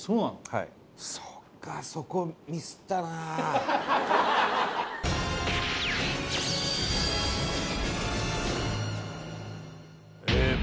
はいそっかそこミスったなえっ